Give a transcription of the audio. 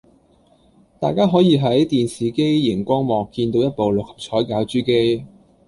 大家可以喺電視機營光幕見到一部六合彩攪珠機